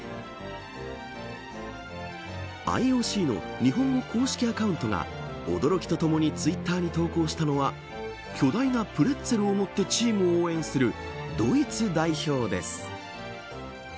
ＩＯＣの日本語公式アカウントが驚きとともにツイッターに投稿したのは巨大なプレッツェルを持ってチームを応援するドイツ代表です。